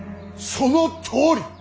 そのとおり！